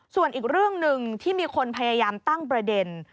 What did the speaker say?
ส่วนอีกเรื่องหนึ่งที่มีคนพยายามตั้งประเด็น